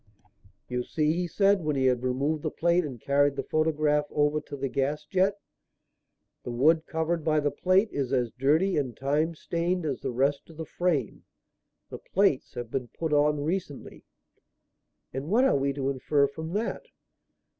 "You see," he said, when he had removed the plate and carried the photograph over to the gasjet, "the wood covered by the plate is as dirty and time stained as the rest of the frame. The plates have been put on recently." "And what are we to infer from that?"